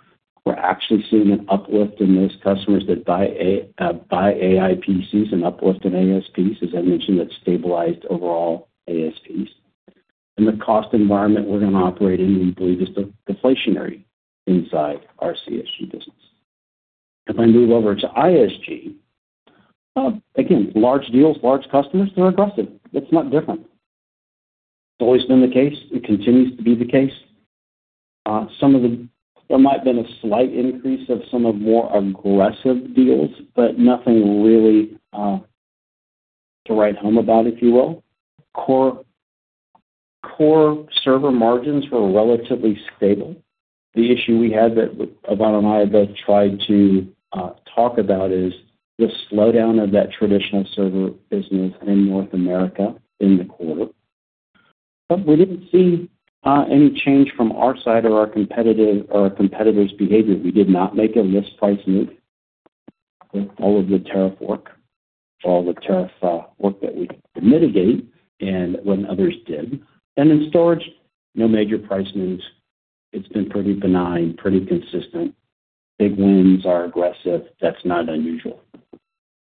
We are actually seeing an uplift in those customers that buy AI PCs and uplift in ASPs, as I mentioned, that stabilized overall ASPs. In the cost environment we are going to operate in, we believe, is deflationary inside our CSG business. If I move over to ISG, again, large deals, large customers, they are aggressive. It is not different. It has always been the case. It continues to be the case. There might have been a slight increase of some of more aggressive deals, but nothing really to write home about, if you will. Core server margins were relatively stable. The issue we had that Yvonne and I have tried to talk about is the slowdown of that traditional server business in North America in the quarter. We did not see any change from our side or our competitors' behavior. We did not make a list price move with all of the tariff work, all the tariff work that we had to mitigate and when others did. In storage, no major price moves. It has been pretty benign, pretty consistent. Big wins are aggressive. That is not unusual.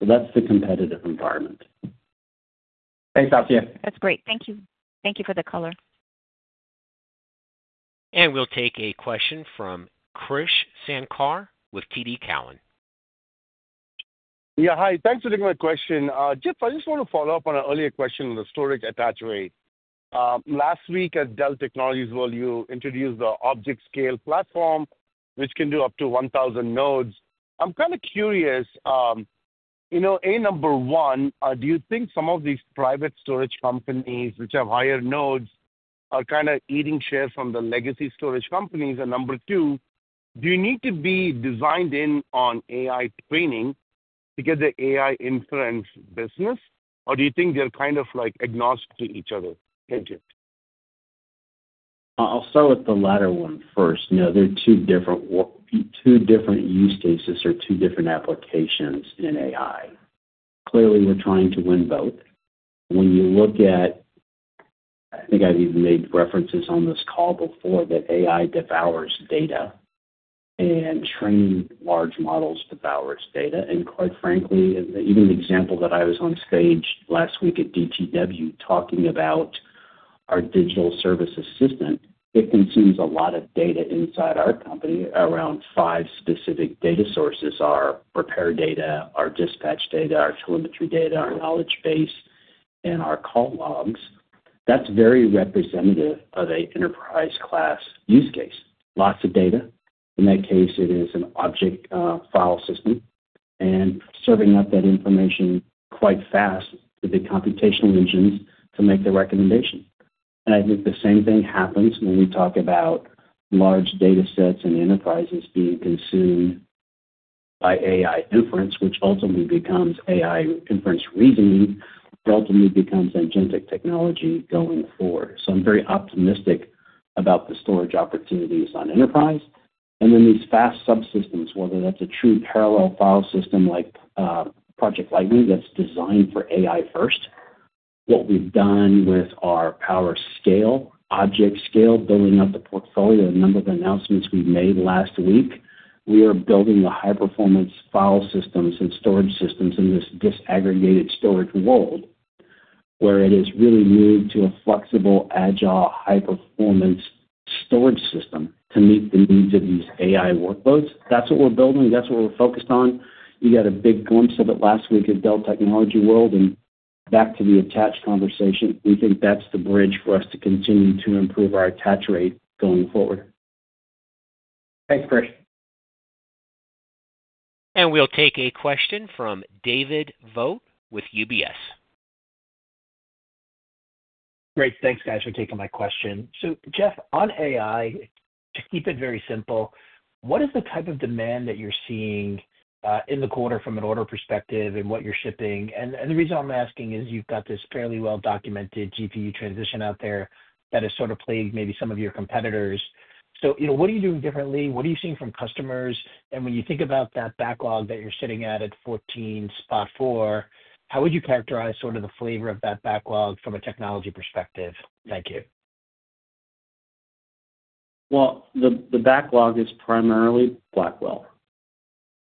That is the competitive environment. Thanks, Asiya. That's great. Thank you. Thank you for the color. We will take a question from Krish Sankar with TD Cowen. Yeah. Hi. Thanks for taking my question. Jeff, I just want to follow up on an earlier question on the storage attach rate. Last week at Dell Technologies, you introduced the ObjectScale platform, which can do up to 1,000 nodes. I'm kind of curious, A, number one, do you think some of these private storage companies, which have higher nodes, are kind of eating share from the legacy storage companies? Number two, do you need to be designed in on AI training to get the AI inference business, or do you think they're kind of agnostic to each other? I'll start with the latter one first. They're two different use cases or two different applications in AI. Clearly, we're trying to win both. When you look at, I think I've even made references on this call before, that AI devours data and training large models devours data. Quite frankly, even the example that I was on stage last week at DTW talking about our digital service assistant, it consumes a lot of data inside our company. Around five specific data sources are repair data, our dispatch data, our telemetry data, our knowledge base, and our call logs. That's very representative of an enterprise-class use case. Lots of data. In that case, it is an object file system and serving up that information quite fast to the computational engines to make the recommendation. I think the same thing happens when we talk about large data sets and enterprises being consumed by AI inference, which ultimately becomes AI inference reasoning, which ultimately becomes agentic technology going forward. I am very optimistic about the storage opportunities on enterprise. These fast subsystems, whether that is a true parallel file system like Project Lightning that is designed for AI first, what we have done with our PowerScale, ObjectScale, building up the portfolio, the number of announcements we made last week, we are building the high-performance file systems and storage systems in this disaggregated storage world where it has really moved to a flexible, agile, high-performance storage system to meet the needs of these AI workloads. That is what we are building. That is what we are focused on. You got a big glimpse of it last week at Dell Technologies World. Back to the attach conversation, we think that's the bridge for us to continue to improve our attach rate going forward. Thanks, Krish. We'll take a question from David Vogt with UBS. Great. Thanks, guys, for taking my question. Jeff, on AI, to keep it very simple, what is the type of demand that you're seeing in the quarter from an order perspective and what you're shipping? The reason I'm asking is you've got this fairly well-documented GPU transition out there that has sort of plagued maybe some of your competitors. What are you doing differently? What are you seeing from customers? When you think about that backlog that you're sitting at at $14.4 billion, how would you characterize sort of the flavor of that backlog from a technology perspective? Thank you. The backlog is primarily Blackwell.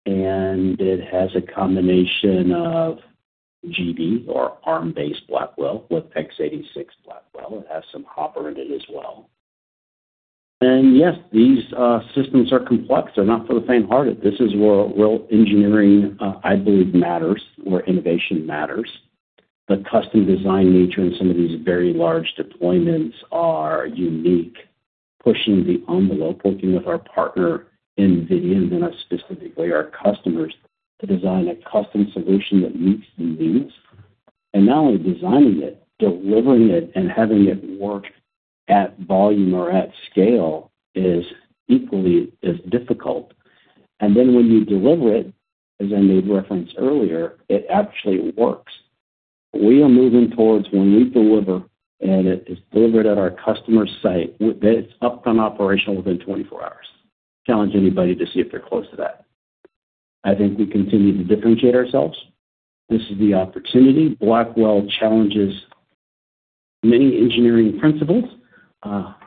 It has a combination of GB or Arm-based Blackwell with x86 Blackwell. It has some Hopper in it as well. Yes, these systems are complex. They're not for the faint-hearted. This is where real engineering, I believe, matters or innovation matters. The custom design nature in some of these very large deployments are unique, pushing the envelope, working with our partner NVIDIA and then specifically our customers to design a custom solution that meets the needs. Not only designing it, delivering it, and having it work at volume or at scale is equally as difficult. When you deliver it, as I made reference earlier, it actually works. We are moving towards when we deliver, and it is delivered at our customer site, it's upfront operational within 24 hours. Challenge anybody to see if they're close to that. I think we continue to differentiate ourselves. This is the opportunity. Blackwell challenges many engineering principles.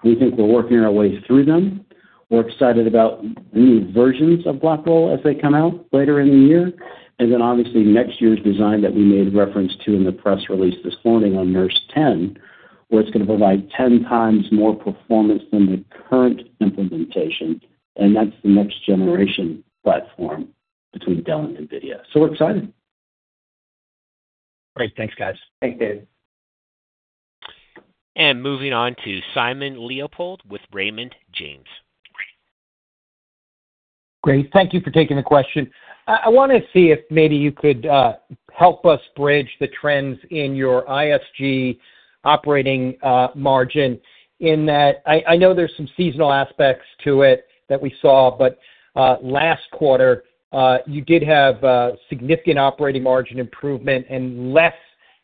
We think we're working our way through them. We're excited about new versions of Blackwell as they come out later in the year. Obviously, next year's design that we made reference to in the press release this morning on Nurse 10, where it's going to provide 10 times more performance than the current implementation. That's the next generation platform between Dell and NVIDIA. We're excited. Great. Thanks, guys. Thanks, David. Moving on to Simon Leopold with Raymond James. Great. Thank you for taking the question. I want to see if maybe you could help us bridge the trends in your ISG operating margin in that I know there's some seasonal aspects to it that we saw, but last quarter, you did have significant operating margin improvement and less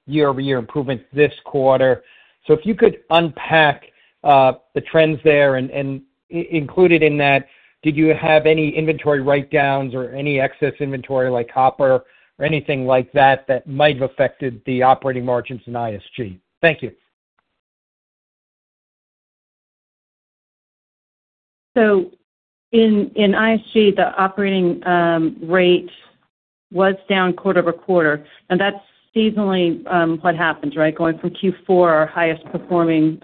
year-over-year improvement this quarter. If you could unpack the trends there and include in that, did you have any inventory write-downs or any excess inventory like Hopper or anything like that that might have affected the operating margins in ISG? Thank you. In ISG, the operating rate was down quarter over quarter. That is seasonally what happens, right? Going from Q4, our highest performing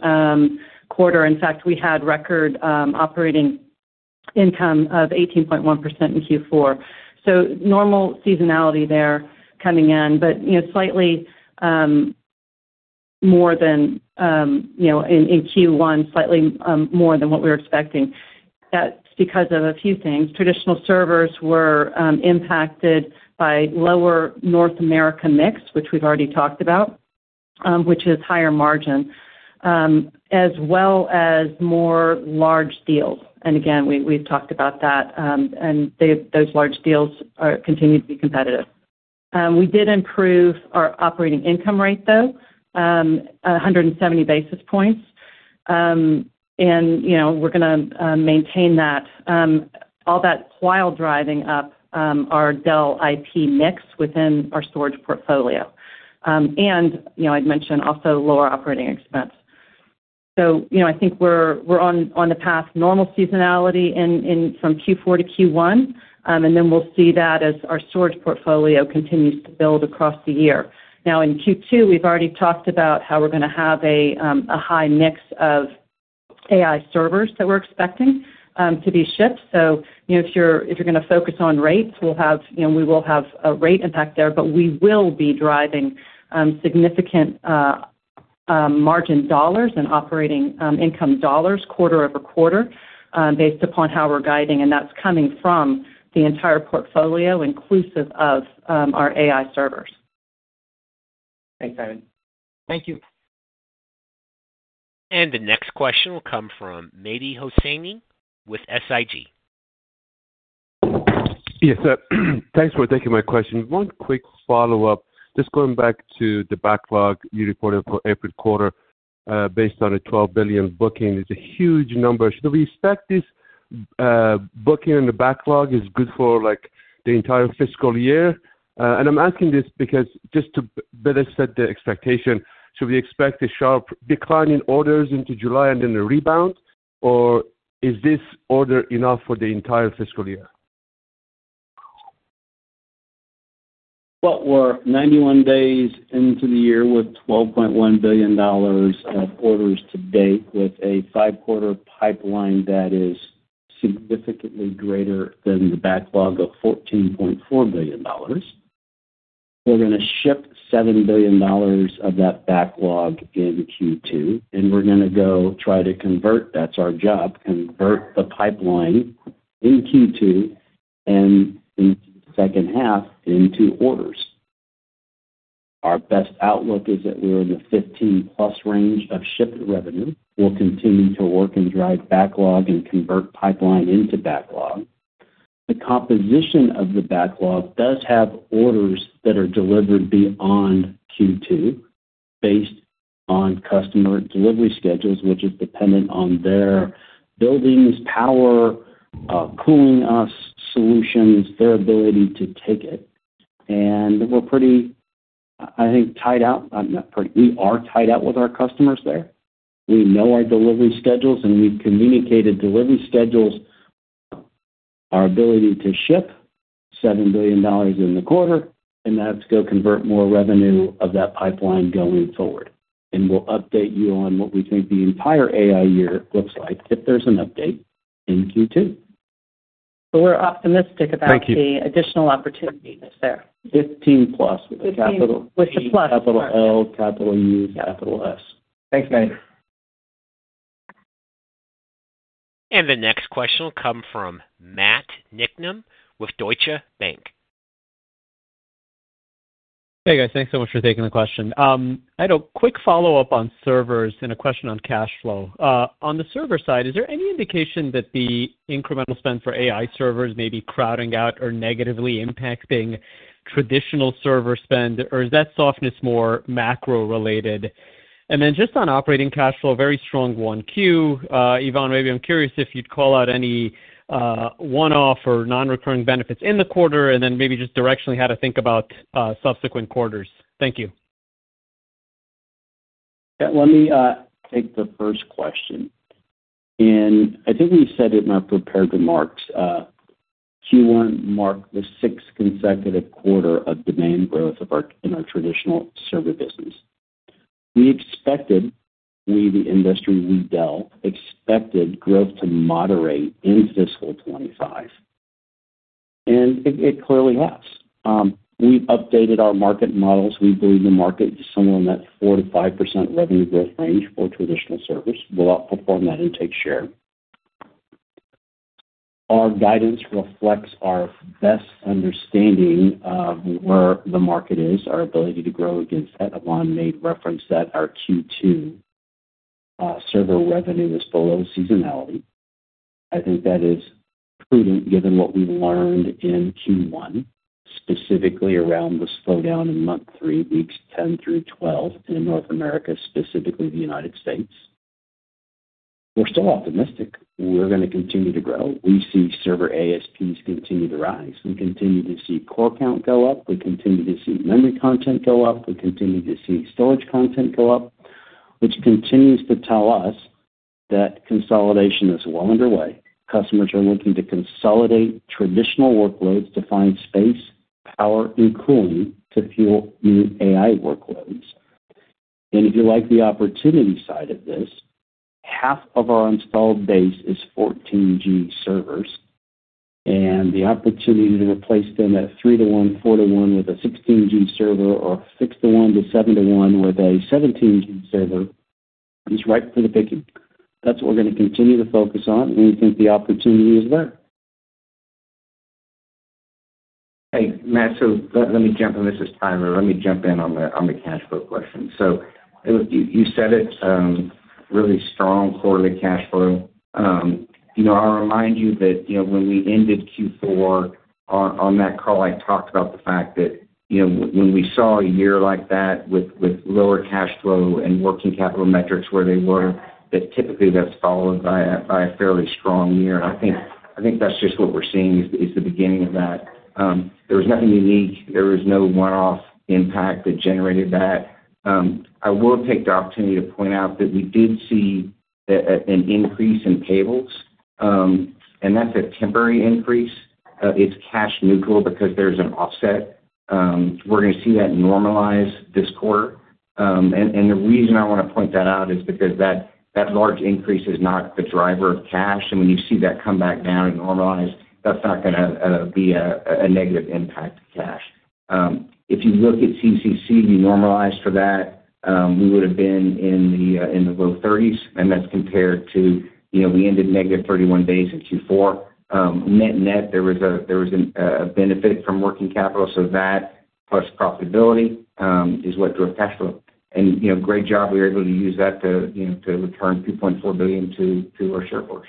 quarter. In fact, we had record operating income of 18.1% in Q4. Normal seasonality there coming in, but slightly more than in Q1, slightly more than what we were expecting. That is because of a few things. Traditional servers were impacted by lower North America mix, which we have already talked about, which is higher margin, as well as more large deals. We have talked about that. Those large deals continue to be competitive. We did improve our operating income rate, though, 170 basis points. We are going to maintain that, all that while driving up our Dell IP mix within our storage portfolio. I had mentioned also lower operating expense. I think we are on the path, normal seasonality from Q4-Q1. We will see that as our storage portfolio continues to build across the year. In Q2, we've already talked about how we're going to have a high mix of AI servers that we're expecting to be shipped. If you're going to focus on rates, we will have a rate impact there, but we will be driving significant margin dollars and operating income dollars quarter over quarter based upon how we're guiding. That's coming from the entire portfolio, inclusive of our AI servers. Thanks, Simon. Thank you. The next question will come from Mehdi Hosseini with SIG. Yes, sir. Thanks for taking my question. One quick follow-up. Just going back to the backlog you reported for April quarter based on the $12 billion booking, it's a huge number. Should we expect this booking and the backlog is good for the entire fiscal year? I'm asking this because just to better set the expectation, should we expect a sharp decline in orders into July and then a rebound, or is this order enough for the entire fiscal year? We're 91 days into the year with $12.1 billion of orders to date with a five-quarter pipeline that is significantly greater than the backlog of $14.4 billion. We're going to ship $7 billion of that backlog in Q2. We're going to go try to convert—that's our job—convert the pipeline in Q2 and in the second half into orders. Our best outlook is that we're in the 15+ range of ship revenue. We'll continue to work and drive backlog and convert pipeline into backlog. The composition of the backlog does have orders that are delivered beyond Q2 based on customer delivery schedules, which is dependent on their buildings, power, cooling solutions, their ability to take it. We're pretty, I think, tied out. We are tied out with our customers there. We know our delivery schedules, and we've communicated delivery schedules, our ability to ship $7 billion in the quarter, and that's going to convert more revenue of that pipeline going forward. We'll update you on what we think the entire AI year looks like if there's an update in Q2. We're optimistic about the additional opportunities there. 15+ with a capital L. With the pluses. Capital L, capital U, capital S. Thanks, man. The next question will come from Matt Nickum with Deutsche Bank. Hey, guys. Thanks so much for taking the question. I had a quick follow-up on servers and a question on cash flow. On the server side, is there any indication that the incremental spend for AI servers may be crowding out or negatively impacting traditional server spend, or is that softness more macro-related? On operating cash flow, very strong one Q. Yvonne, maybe I'm curious if you'd call out any one-off or non-recurring benefits in the quarter and then maybe just directionally how to think about subsequent quarters. Thank you. Let me take the first question. I think we said it in our prepared remarks. Q1 marked the sixth consecutive quarter of demand growth in our traditional server business. We expected, we, the industry, we Dell, expected growth to moderate in fiscal 2025. It clearly has. We've updated our market models. We believe the market is somewhere in that 4%-5% revenue growth range for traditional servers. We'll outperform that and take share. Our guidance reflects our best understanding of where the market is, our ability to grow against that. Yvonne made reference that our Q2 server revenue is below seasonality. I think that is prudent given what we learned in Q1, specifically around the slowdown in month three, weeks 10 through 12 in North America, specifically the United States. We're still optimistic. We're going to continue to grow. We see server ASPs continue to rise. We continue to see core count go up. We continue to see memory content go up. We continue to see storage content go up, which continues to tell us that consolidation is well underway. Customers are looking to consolidate traditional workloads to find space, power, and cooling to fuel new AI workloads. If you like the opportunity side of this, half of our installed base is 14G servers. The opportunity to replace them at 3-1, 4-1 with a 16G server, or 6-1 to 7-1 with a 17G server is right for the picking. That is what we are going to continue to focus on when we think the opportunity is there. Hey, Matt, let me jump in. This is Tyler. Let me jump in on the cash flow question. You said it, really strong quarterly cash flow. I'll remind you that when we ended Q4 on that call, I talked about the fact that when we saw a year like that with lower cash flow and working capital metrics where they were, that typically that's followed by a fairly strong year. I think that's just what we're seeing is the beginning of that. There was nothing unique. There was no one-off impact that generated that. I will take the opportunity to point out that we did see an increase in payables. That's a temporary increase. It's cash neutral because there's an offset. We're going to see that normalize this quarter. The reason I want to point that out is because that large increase is not the driver of cash. When you see that come back down and normalize, that's not going to be a negative impact to cash. If you look at CCC, we normalized for that. We would have been in the low 30s. That's compared to we ended negative 31 days in Q4. Net net, there was a benefit from working capital. That plus profitability is what drove cash flow. Great job. We were able to use that to return $2.4 billion to our shareholders.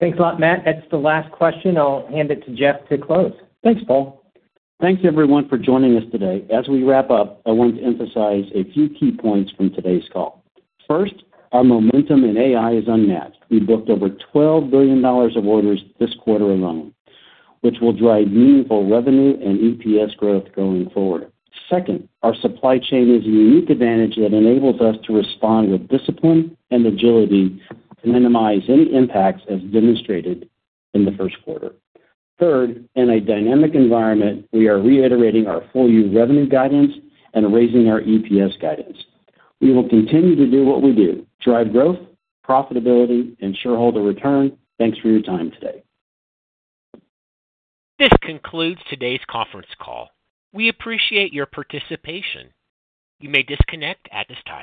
Thanks a lot, Matt. That's the last question. I'll hand it to Jeff to close. Thanks, Paul. Thanks, everyone, for joining us today. As we wrap up, I want to emphasize a few key points from today's call. First, our momentum in AI is unmatched. We booked over $12 billion of orders this quarter alone, which will drive meaningful revenue and EPS growth going forward. Second, our supply chain is a unique advantage that enables us to respond with discipline and agility to minimize any impacts as demonstrated in the first quarter. Third, in a dynamic environment, we are reiterating our full-year revenue guidance and raising our EPS guidance. We will continue to do what we do: drive growth, profitability, and shareholder return. Thanks for your time today. This concludes today's conference call. We appreciate your participation. You may disconnect at this time.